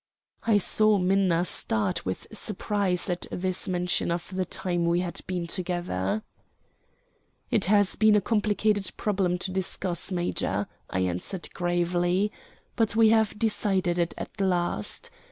I saw Minna start with surprise at this mention of the time we had been together. "It has been a complicated problem to discuss, major," I answered gravely. "But we have decided it at last.